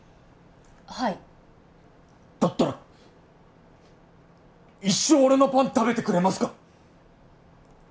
はいだったら一生俺のパン食べてくれますか？